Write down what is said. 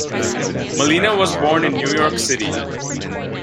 Malina was born in New York City.